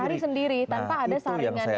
cari sendiri tanpa ada saringan lagi ya